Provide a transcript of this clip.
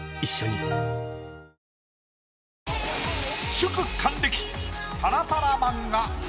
祝還暦。